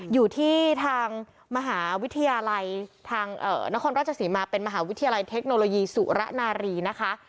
อยู่ที่ทางมหาวิทยาลัยทางนครราชศรีมาเป็นมหาวิทยาลัยเทคโนโลยีสุระนารีนะคะ